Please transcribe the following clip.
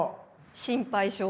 心配性。